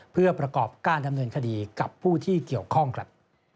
เพื่อประกอบการดำเนินคดีกับผู้ที่เกี่ยวข้องครับ